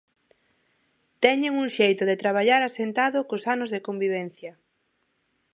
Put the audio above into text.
Teñen un xeito de traballar asentado cos anos de convivencia.